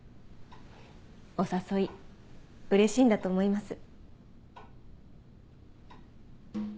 お誘いうれしいんだと思います。